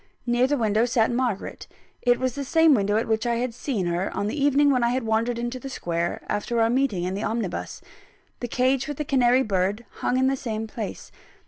Near the window sat Margaret it was the same window at which I had seen her, on the evening when I wandered into the square, after our meeting in the omnibus. The cage with the canary bird hung in the same place.